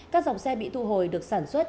các dòng xe bị thu hồi được sản xuất